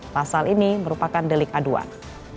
pasal ini merupakan delik aduan